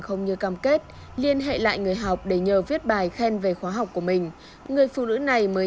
không như cam kết liên hệ lại người học để nhờ viết bài khen về khóa học của mình người phụ nữ này mới